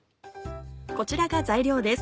こちらが材料です。